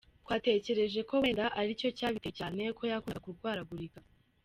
Twatekereje ko wenda aricyo cyabiteye cyane ko yakundaga kurwaragurika.